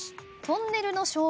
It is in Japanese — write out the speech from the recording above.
トンネルの照明